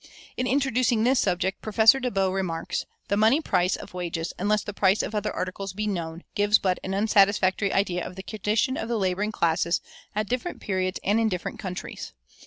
In introducing this subject, Professor De Bow remarks, "The money price of wages, unless the price of other articles be known, gives but an unsatisfactory idea of the condition of the laboring classes at different periods and in different countries."